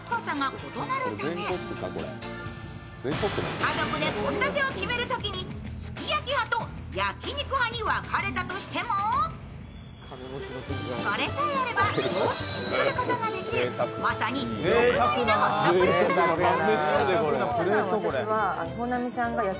家族で献立を決めるときにすき焼き派と焼き肉派に分かれたとしてもこれさえあれば同時に作ることができるまさによくばりなホットプレートなんです。